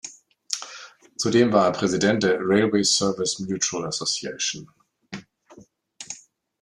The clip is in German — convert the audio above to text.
Zudem war er Präsident der "Railway Service Mutual Association".